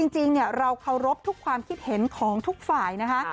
จริงเราเคารพทุกความคิดเห็นของทุกฝ่ายนะคะ